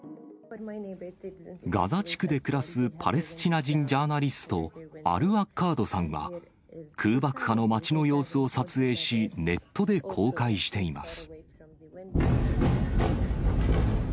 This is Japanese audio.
ガザ地区で暮らすパレスチナ人ジャーナリスト、アルアッカードさんは、空爆下の街の様子を撮影し、ネットで公開しています。